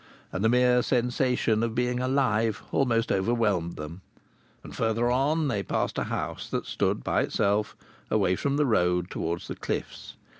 And the mere sensation of being alive almost overwhelmed them. And further on they passed a house that stood by itself away from the road towards the cliffs.